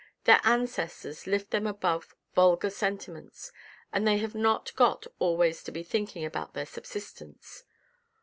"Their ancestors lift them above vulgar sentiments, and they have not got always to be thinking about their subsistence